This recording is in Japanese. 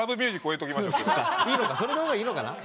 それの方がいいのかな？